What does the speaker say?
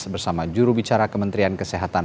bersama jurubicara kementerian kesehatan